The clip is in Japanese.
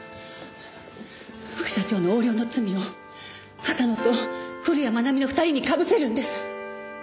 副社長の横領の罪を畑野と古谷愛美の２人に被せるんです。